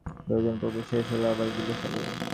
ভোজনপর্ব শেষ হলে আবার গিলে ফেলে।